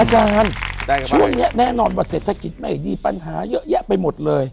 อาจารย์ช่วงนี้แน่นอนว่าเศรษฐกิจไม่ดีปัญหาเยอะแยะไปหมดเลย